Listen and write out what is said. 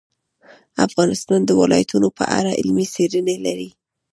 افغانستان د ولایتونو په اړه علمي څېړنې لري.